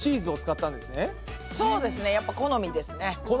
そうですねやっぱ好みですね。